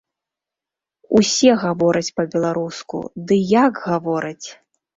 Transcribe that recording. Усе гавораць па-беларуску, ды як гавораць!